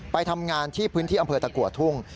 ไปทำงานที่พื้นที่อำเภอตะกัวทุ่ง